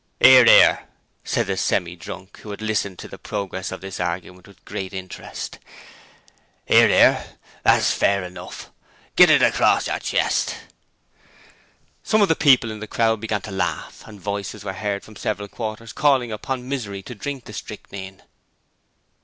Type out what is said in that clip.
''Ear, 'ear!' said the Semi drunk, who had listened to the progress of the argument with great interest. ''Ear, 'ear! That's fair enough. Git it acrost yer chest.' Some of the people in the crowd began to laugh, and voices were heard from several quarters calling upon Misery to drink the strychnine.